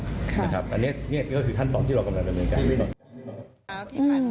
อันนี้ก็คือท่านตอบที่เรากำลังเป็นเหมือนกัน